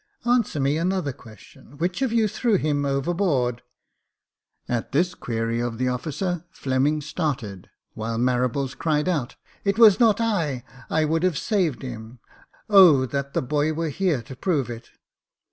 " Answer me another question : which of you threw him overboard ?" At this query of the officer, Fleming started, while Marables cried out, " It was not I ; I would have saved him. O that the boy were here to prove it